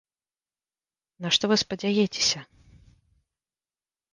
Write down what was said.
На што вы спадзеяцеся?